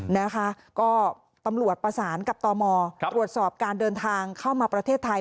นะคะก็ตำรวจประสานกับตมตรวจสอบการเดินทางเข้ามาประเทศไทย